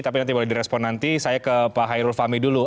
tapi nanti boleh direspon nanti saya ke pak hairul fahmi dulu